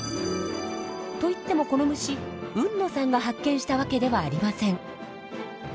といってもこの虫海野さんが発見したわけではありません。